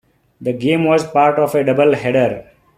The game was part of a double header.